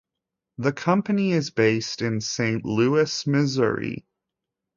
The company is based in Saint Louis, Missouri.